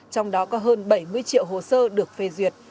trong đó có hơn bảy mươi triệu hồ sơ được phê duyệt